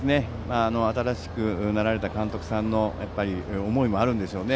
新しくなられた監督さんの思いもあるんでしょうね。